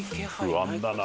不安だな